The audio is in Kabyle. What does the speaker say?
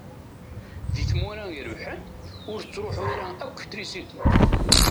Di tmura irebḥen ur tettṛuḥu ara akk trisiti.